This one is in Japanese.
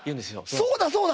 そうだそうだ！